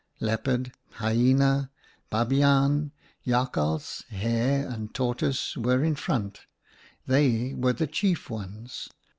Leopard, Hyena, Babiaan, Jakhals, Hare and Tortoise were in front ; they were the chief ones.